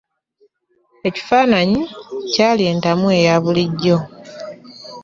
Ekifaananyi kyali entamu eya bulijjo.